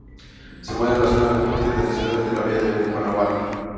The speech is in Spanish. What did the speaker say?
Se encuentra en la zona norte de la ciudad, en la Bahía de Guanabara.